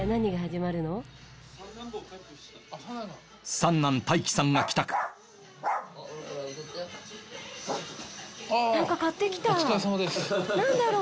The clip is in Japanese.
三男・大輝さんが帰宅何か買ってきた何だろう？